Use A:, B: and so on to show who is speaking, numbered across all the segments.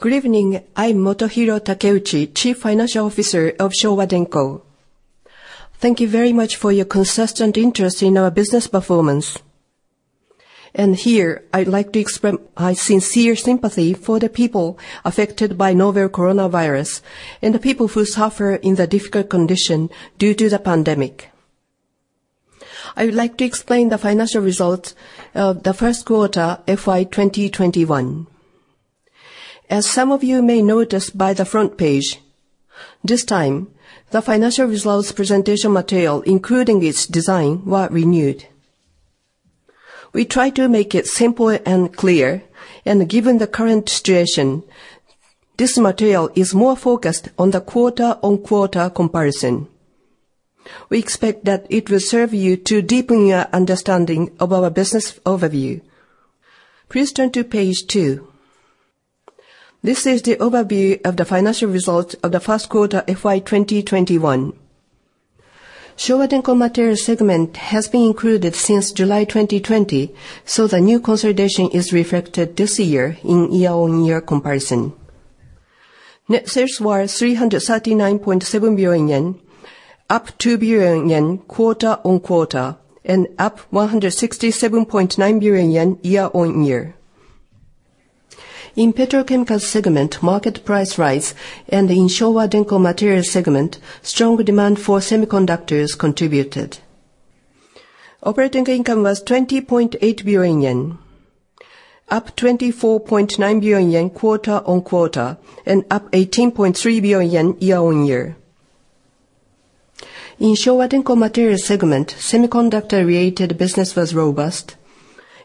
A: Good evening. I'm Motohiro Takeuchi, Chief Financial Officer of Showa Denko. Thank you very much for your consistent interest in our business performance. Here, I'd like to express my sincere sympathy for the people affected by novel coronavirus, and the people who suffer in the difficult condition due to the pandemic. I would like to explain the financial results of the first quarter FY 2021. As some of you may notice by the front page, this time, the financial results presentation material, including its design, were renewed. We try to make it simple and clear. Given the current situation, this material is more focused on the quarter-on-quarter comparison. We expect that it will serve you to deepen your understanding of our business overview. Please turn to page two. This is the overview of the financial results of the first quarter FY 2021. Showa Denko Materials segment has been included since July 2020. The new consolidation is reflected this year in year-on-year comparison. Net sales were 339.7 billion yen, up 2 billion yen quarter-on-quarter, up 167.9 billion yen year-on-year. In Petrochemicals segment, market price rise. In Showa Denko Materials segment, strong demand for semiconductors contributed. Operating income was 20.8 billion yen, up 24.9 billion yen quarter-on-quarter, up 18.3 billion yen year-on-year. In Showa Denko Materials segment, semiconductor-related business was robust.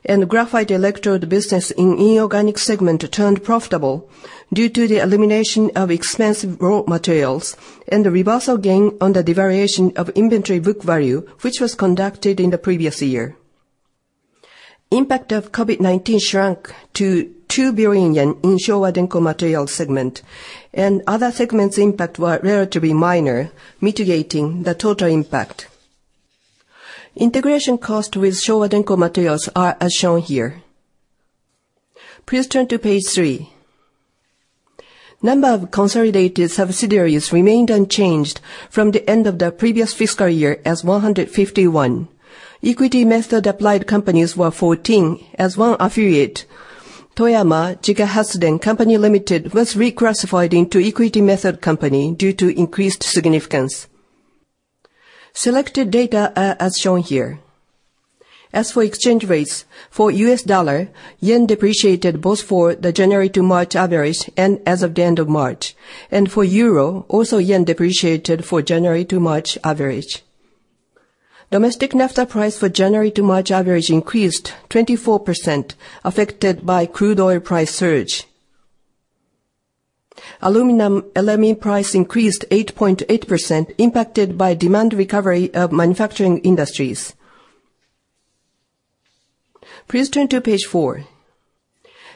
A: Graphite electrode business in Inorganics segment turned profitable due to the elimination of expensive raw materials and the reversal gain on the devaluation of inventory book value, which was conducted in the previous year. Impact of COVID-19 shrunk to 2 billion yen in Showa Denko Materials segment. Other segments' impact were relatively minor, mitigating the total impact. Integration cost with Showa Denko Materials are as shown here. Please turn to page three. Number of consolidated subsidiaries remained unchanged from the end of the previous fiscal year as 151. Equity method applied companies were 14, as one affiliate, Toyama Jiko Hatsuden Company, Limited, was reclassified into equity method company due to increased significance. Selected data are as shown here. As for exchange rates, for US dollar, yen depreciated both for the January to March average and as of the end of March. For euro, also yen depreciated for January to March average. Domestic naphtha price for January to March average increased 24%, affected by crude oil price surge. Aluminum LME price increased 8.8%, impacted by demand recovery of manufacturing industries. Please turn to page four.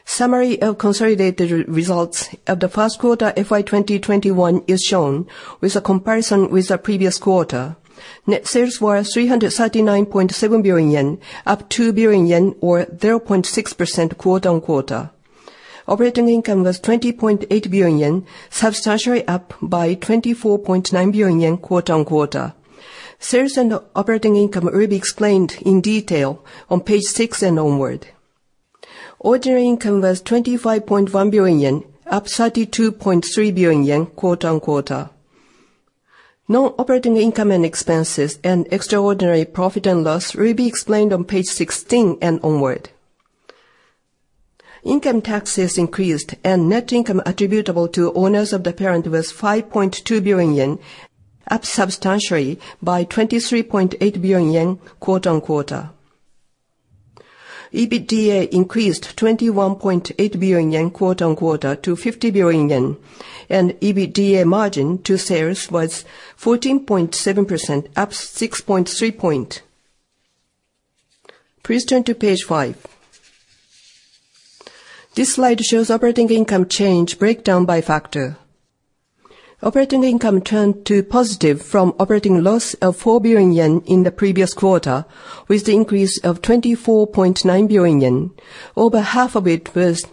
A: Summary of consolidated results of the first quarter FY 2021 is shown with a comparison with the previous quarter. Net sales were 339.7 billion yen, up 2 billion yen, or 0.6% quarter-on-quarter. Operating income was 20.8 billion yen, substantially up by 24.9 billion yen quarter-on-quarter. Sales and operating income will be explained in detail on page six and onward. Ordinary income was 25.1 billion yen, up 32.3 billion yen quarter-on-quarter. Non-operating income and expenses and extraordinary profit and loss will be explained on page 16 and onward. Income taxes increased. Net income attributable to owners of the parent was 5.2 billion yen, up substantially by 23.8 billion yen quarter-on-quarter. EBITDA increased 21.8 billion yen quarter-on-quarter to 50 billion yen. EBITDA margin to sales was 14.7%, up 6.3 point. Please turn to page five. This slide shows operating income change breakdown by factor. Operating income turned to positive from operating loss of 4 billion yen in the previous quarter, with the increase of 24.9 billion yen. Over half of it was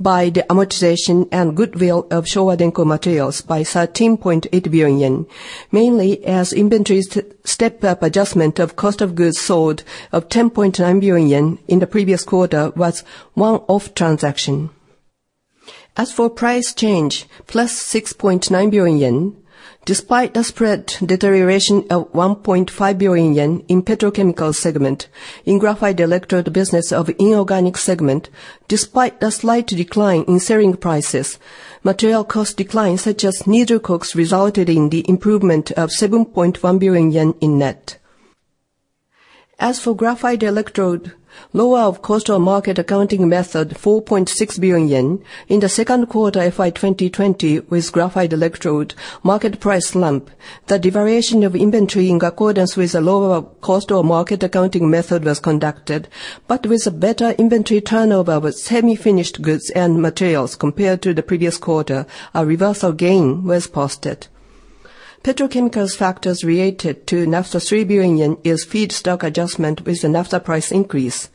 A: by the amortization and goodwill of Showa Denko Materials by 13.8 billion yen, mainly as inventories step-up adjustment of cost of goods sold of 10.9 billion yen in the previous quarter was one-off transaction. As for price change, +6.9 billion yen, despite the spread deterioration of 1.5 billion yen in Petrochemicals segment, in graphite electrode business of Inorganics segment, despite the slight decline in selling prices, material cost declines such as needle coke resulted in the improvement of 7.1 billion yen in net. As for graphite electrode, lower of cost or market method, 4.6 billion yen. In the second quarter FY 2020, with graphite electrode market price slump, the devaluation of inventory in accordance with the lower of cost or market method was conducted, but with a better inventory turnover with semi-finished goods and materials compared to the previous quarter, a reversal gain was posted. Petrochemicals factors related to 1.3 billion yen is feedstock adjustment with the naphtha price increase,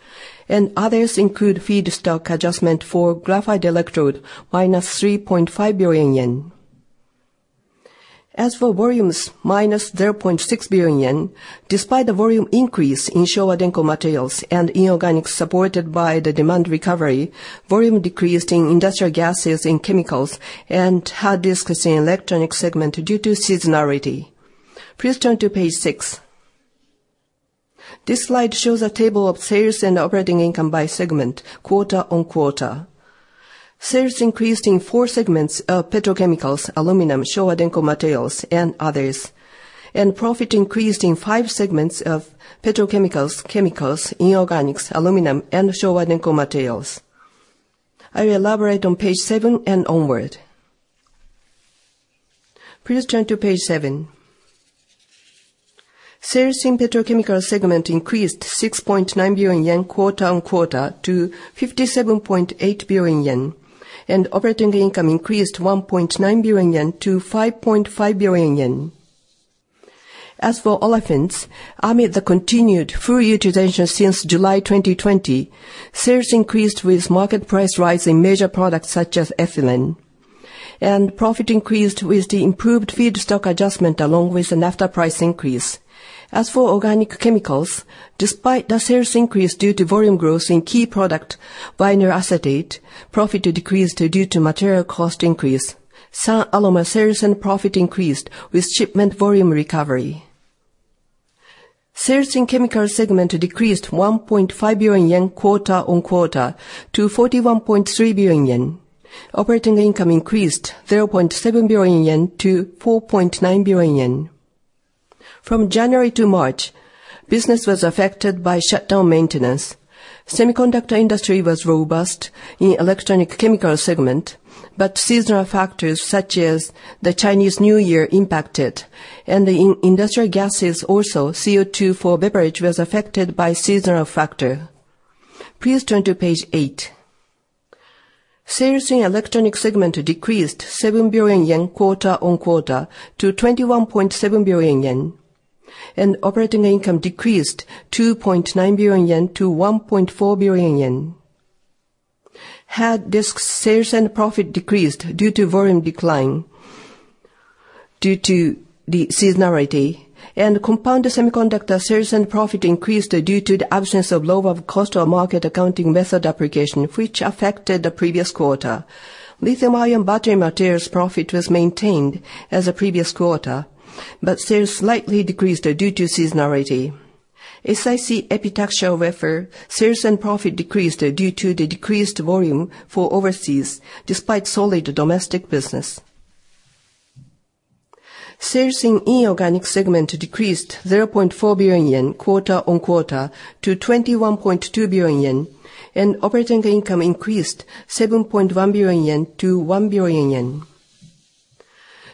A: and others include feedstock adjustment for graphite electrode, -3.5 billion yen. As for volumes, -0.6 billion yen, despite the volume increase in Showa Denko Materials and Inorganics supported by the demand recovery, volume decreased in Industrial Gases and Chemicals and hard disks in Electronics segment due to seasonality. Please turn to page six. This slide shows a table of sales and operating income by segment, quarter-on-quarter. Sales increased in four segments of Petrochemicals, Aluminum, Showa Denko Materials, and Others. Profit increased in five segments of Petrochemicals, Chemicals, Inorganics, Aluminum, and Showa Denko Materials. I will elaborate on page seven and onward. Please turn to page seven. Sales in Petrochemicals segment increased 6.9 billion yen quarter-on-quarter to 57.8 billion yen, and operating income increased 1.9 billion yen to 5.5 billion yen. As for olefins, amid the continued full utilization since July 2020, sales increased with market price rise in major products such as ethylene. Profit increased with the improved feedstock adjustment, along with the naphtha price increase. As for organic chemicals, despite the sales increase due to volume growth in key product vinyl acetate, profit decreased due to material cost increase. SunAllomer sales and profit increased with shipment volume recovery. Sales in Chemicals segment decreased 1.5 billion yen quarter-on-quarter to 41.3 billion yen. Operating income increased 0.7 billion yen to 4.9 billion yen. From January to March, business was affected by shutdown maintenance. Semiconductor industry was robust in Electronic Chemicals segment, but seasonal factors such as the Chinese New Year impacted, and the Industrial Gases also, CO2 for beverage, was affected by seasonal factor. Please turn to page eight. Sales in Electronics segment decreased 7 billion yen quarter-on-quarter to 21.7 billion yen, and operating income decreased 2.9 billion yen to 1.4 billion yen. Hard disk sales and profit decreased due to volume decline, due to the seasonality. Compound semiconductor sales and profit increased due to the absence of lower of cost or market method application, which affected the previous quarter. Lithium-ion battery materials profit was maintained as the previous quarter, but sales slightly decreased due to seasonality. SiC epitaxial wafer sales and profit decreased due to the decreased volume for overseas, despite solid domestic business. Sales in Inorganics segment decreased 0.4 billion yen quarter-on-quarter to 21.2 billion yen, and operating income increased 7.1 billion yen to 1 billion yen.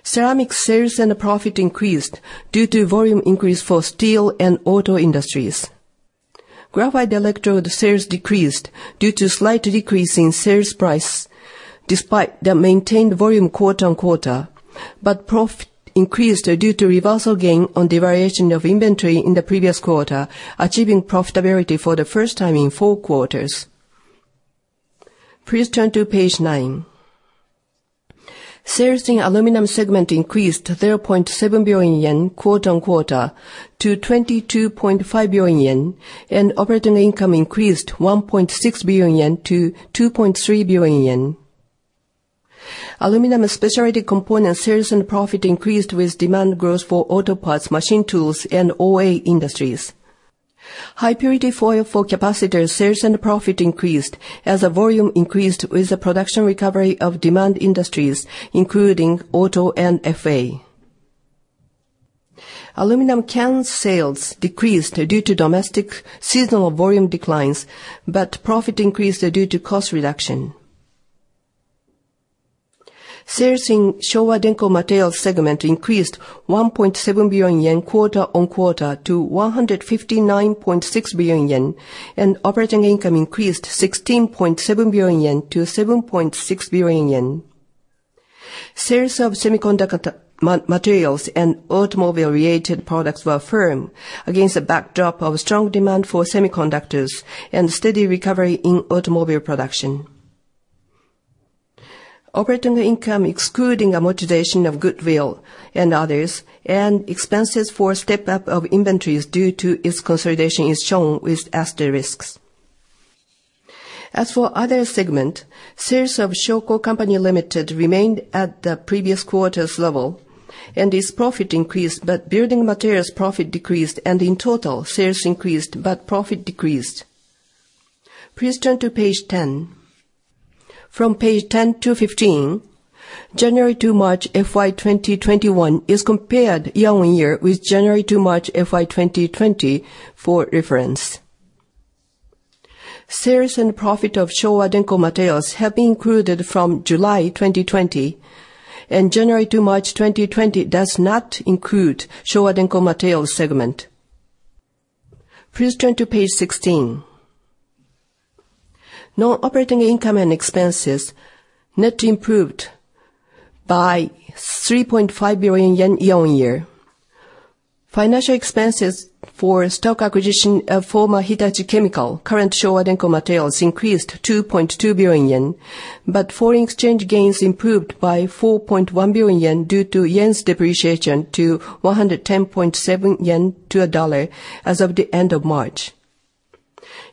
A: Ceramic sales and profit increased due to volume increase for steel and auto industries. Graphite electrode sales decreased due to slight decrease in sales price, despite the maintained volume quarter-on-quarter. Profit increased due to reversal gain on the valuation of inventory in the previous quarter, achieving profitability for the first time in four quarters. Please turn to page nine. Sales in Aluminum segment increased 0.7 billion yen quarter-on-quarter to 22.5 billion yen, and operating income increased 1.6 billion yen to 2.3 billion yen. Aluminum specialty component sales and profit increased with demand growth for auto parts, machine tools, and OA industries. High-purity foil for capacitor sales and profit increased as the volume increased with the production recovery of demand industries, including auto and FA. Aluminum can sales decreased due to domestic seasonal volume declines, but profit increased due to cost reduction. Sales in Showa Denko Materials segment increased 1.7 billion yen quarter-on-quarter to 159.6 billion yen, and operating income increased 16.7 billion yen to 7.6 billion yen. Sales of semiconductor materials and automobile-related products were firm against the backdrop of strong demand for semiconductors and steady recovery in automobile production. Operating income, excluding amortization of goodwill and others, and expenses for step-up of inventories due to its consolidation, is shown with asterisks. As for Other segment, sales of Shoko Co., Ltd. remained at the previous quarter's level, and its profit increased. Building materials profit decreased, and in total, sales increased, but profit decreased. Please turn to page 10. From page 10 to 15, January to March FY 2021 is compared year-on-year with January to March FY 2020 for reference. Sales and profit of Showa Denko Materials have been included from July 2020, and January to March 2020 does not include Showa Denko Materials segment. Please turn to page 16. Non-operating income and expenses net improved by 3.5 billion yen year-on-year. Financial expenses for stock acquisition of former Hitachi Chemical, current Showa Denko Materials, increased 2.2 billion yen, but foreign exchange gains improved by 4.1 billion yen due to yen's depreciation to 110.7 yen to a USD as of the end of March.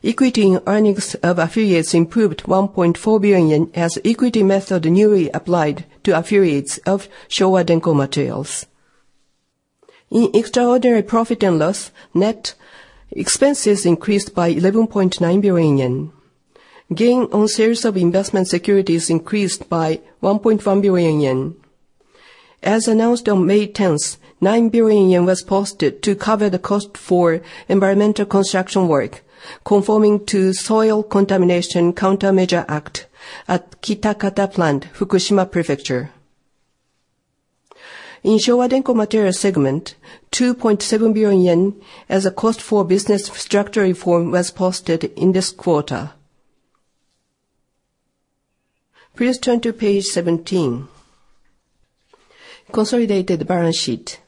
A: Equity earnings of affiliates improved 1.4 billion yen, as equity method newly applied to affiliates of Showa Denko Materials. In extraordinary profit and loss, net expenses increased by 11.9 billion yen. Gain on sales of investment securities increased by 1.1 billion yen. As announced on May 10th, 9 billion yen was posted to cover the cost for environmental construction work, conforming to Soil Contamination Countermeasures Act at Kitakata plant, Fukushima Prefecture. In Showa Denko Materials segment, 2.7 billion yen as a cost for business structural reform was posted in this quarter. Please turn to page 17. Consolidated balance sheet.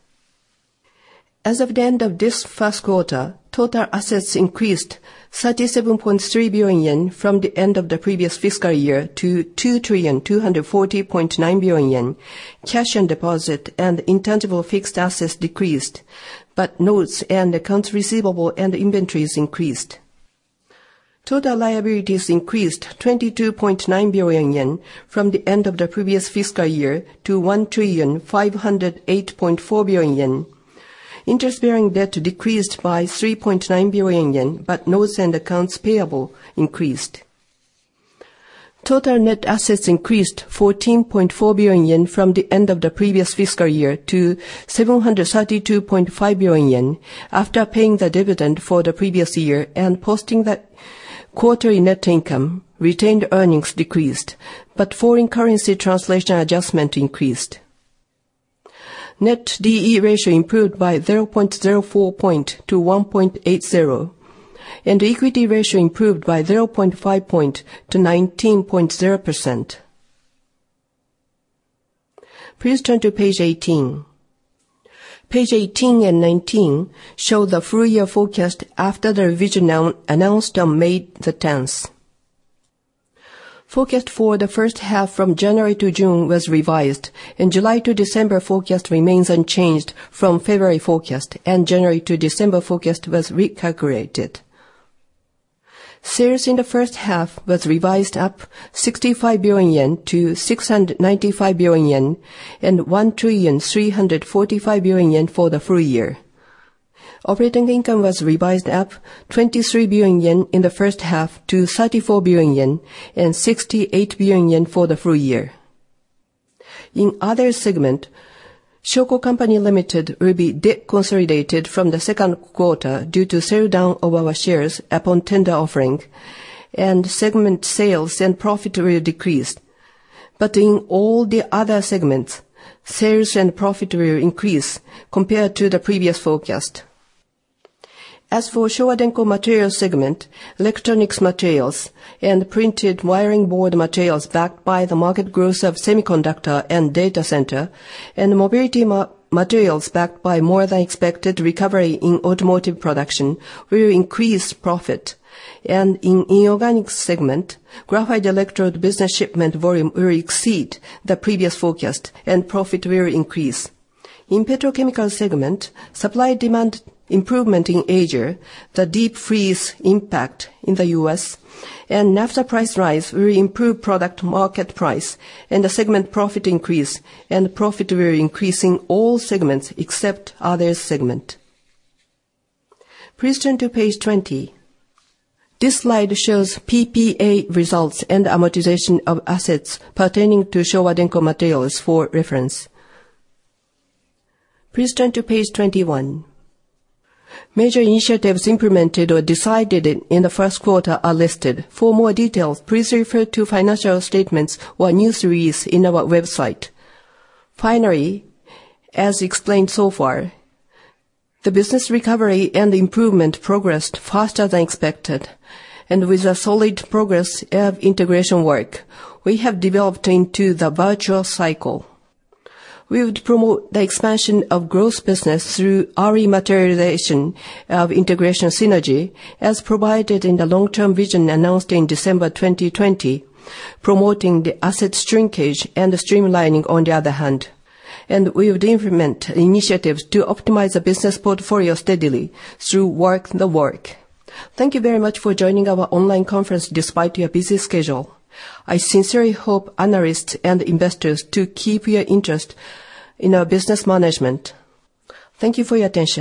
A: As of the end of this first quarter, total assets increased 37.3 billion yen from the end of the previous fiscal year to 2,240.9 billion yen. Cash and deposit and intangible fixed assets decreased, but notes and accounts receivable and inventories increased. Total liabilities increased 22.9 billion yen from the end of the previous fiscal year to 1,508.4 billion yen. Interest-bearing debt decreased by 3.9 billion yen, but notes and accounts payable increased. Total net assets increased 14.4 billion yen from the end of the previous fiscal year to 732.5 billion yen. After paying the dividend for the previous year and posting the quarterly net income, retained earnings decreased, but foreign currency translation adjustment increased. Net D/E ratio improved by 0.04 point to 1.80, and equity ratio improved by 0.5 point to 19.0%. Please turn to page 18. Page 18 and 19 show the full year forecast after the revision announced on May 10th. Forecast for the first half from January to June was revised. July to December forecast remains unchanged from February forecast, January to December forecast was recalculated. Sales in the first half was revised up 65 billion yen to 695 billion yen, 1,345 billion yen for the full year. Operating income was revised up 23 billion yen in the first half to 34 billion yen, 68 billion yen for the full year. In other segment, Shoko Co., Ltd. will be deconsolidated from the second quarter due to sell down of our shares upon tender offering, segment sales and profit will decrease. In all the other segments, sales and profit will increase compared to the previous forecast. As for Showa Denko Materials segment, electronics materials and printed wiring board materials backed by the market growth of semiconductor and data center, mobility materials backed by more than expected recovery in automotive production, will increase profit. In Inorganics segment, graphite electrode business shipment volume will exceed the previous forecast, profit will increase. In Petrochemicals segment, supply-demand improvement in Asia, the deep freeze impact in the U.S., after price rise will improve product market price and the segment profit increase and profit will increase in all segments except Other segment. Please turn to page 20. This slide shows PPA results and amortization of assets pertaining to Showa Denko Materials for reference. Please turn to page 21. Major initiatives implemented or decided in the first quarter are listed. For more details, please refer to financial statements or news release in our website. Finally, as explained so far, the business recovery and improvement progressed faster than expected. With the solid progress of integration work, we have developed into the virtuous cycle. We would promote the expansion of growth business through realization of integration synergy, as provided in the long-term vision announced in December 2020, promoting the asset shrinkage and the streamlining on the other hand. We would implement initiatives to optimize the business portfolio steadily through work the work. Thank you very much for joining our online conference despite your busy schedule. I sincerely hope analysts and investors to keep your interest in our business management. Thank you for your attention.